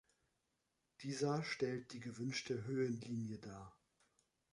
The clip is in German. Dieser stellt die gewünschte Höhenlinie dar.